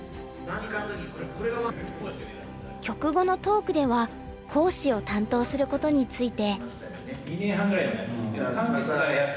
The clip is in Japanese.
局後のトークでは講師を担当することについて。